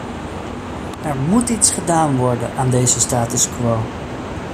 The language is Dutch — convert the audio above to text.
Er moet iets gedaan worden aan deze status quo!